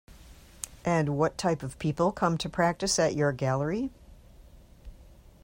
And what type of people come to practise at your gallery?